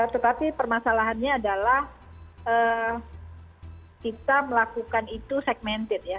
tetapi permasalahannya adalah kita melakukan itu segmented ya